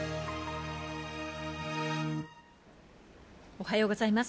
おはようございます。